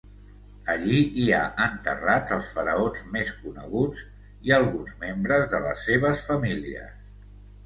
Allí hi ha enterrats els faraons més coneguts i alguns membres de les seves famílies.